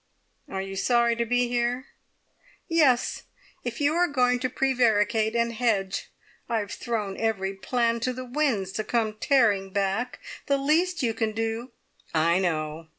"Are you sorry to be here?" "Yes! if you are going to prevaricate and hedge. I've thrown every plan to the winds to come tearing back. The least you can do " "I know!